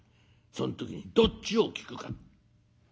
その時にどっちを聞くか。